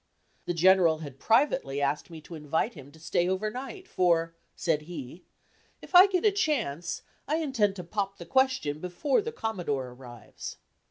The General had privately asked me to invite him to stay over night, for, said he, "If I get a chance, I intend to 'pop the question' before the Commodore arrives."